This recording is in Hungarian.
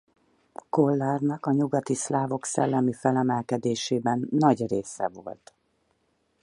Kollárnak a nyugati szlávok szellemi felemelkedésében nagy része volt.